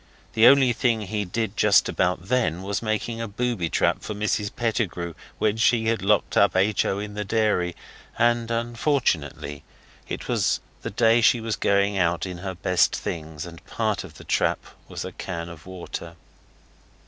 The only thing he did just about then was making a booby trap for Mrs Pettigrew when she had locked H. O. up in the dairy, and unfortunately it was the day she was going out in her best things, and part of the trap was a can of water.